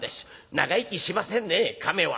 長生きしませんね亀は」。